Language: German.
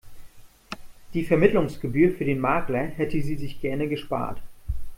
Die Vermittlungsgebühr für den Makler hätte sie sich gerne gespart.